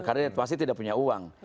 karena dia pasti tidak punya uang